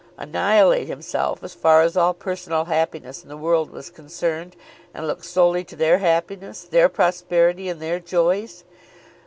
Annihilate himself as far as all personal happiness in the world was concerned, and look solely to their happiness, their prosperity, and their joys?